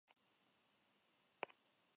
Ez dago esnerik.